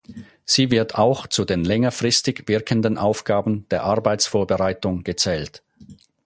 Sie wird auch zu den längerfristig wirkenden Aufgaben der Arbeitsvorbereitung gezählt.